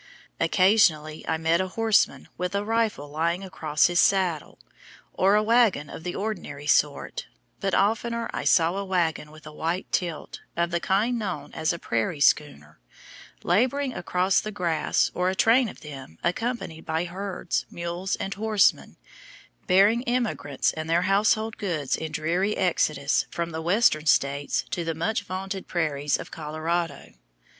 Occasionally I met a horseman with a rifle lying across his saddle, or a wagon of the ordinary sort, but oftener I saw a wagon with a white tilt, of the kind known as a "Prairie Schooner," laboring across the grass, or a train of them, accompanied by herds, mules, and horsemen, bearing emigrants and their household goods in dreary exodus from the Western States to the much vaunted prairies of Colorado.